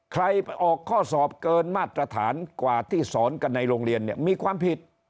ใครไปออกข้อสอบเกินมาตรฐานกว่าที่สอนกันในโรงเรียนเนี่ยมีความผิด